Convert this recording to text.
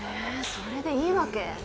それでいいわけ？